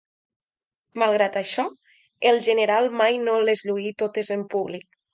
Malgrat això, el general mai no les lluí totes en públic.